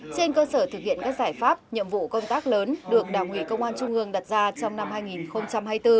trên cơ sở thực hiện các giải pháp nhiệm vụ công tác lớn được đảng ủy công an trung ương đặt ra trong năm hai nghìn hai mươi bốn